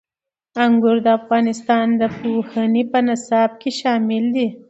انګور د افغانستان د پوهنې په نصاب کې شامل دي.